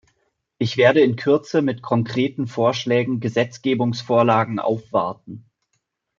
Ich werde in Kürze mit konkreten Vorschlägen, Gesetzgebungsvorlagen aufwarten.